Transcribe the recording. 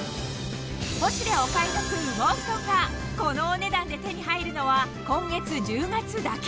『ポシュレ』お買い得羽毛ふとんがこのお値段で手に入るのは今月１０月だけ！